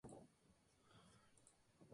Savio hasta El Predio.